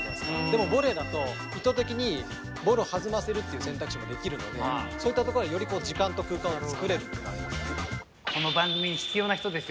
でもボレーだと意図的にボールを弾ませるっていう選択肢もできるのでそういったところはより時間と空間を作れるっていうのがありますよね。